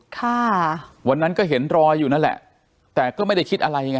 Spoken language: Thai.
ค่ะวันนั้นก็เห็นรอยอยู่นั่นแหละแต่ก็ไม่ได้คิดอะไรไง